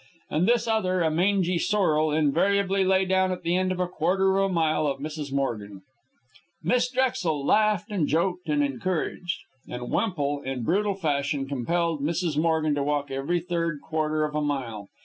And this other, a mangy sorrel, invariably lay down at the end of a quarter of a mile of Mrs. Morgan. Miss Drexel laughed and joked and encouraged; and Wemple, in brutal fashion, compelled Mrs. Morgan to walk every third quarter of a mile.